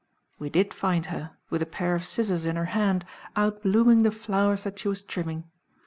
We did find her, with a pair of scissors in her hand, outblooming the flowers that she was trimming.